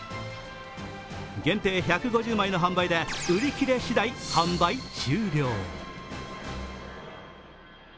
限定１５０枚の販売で売り切れ次第販売終了。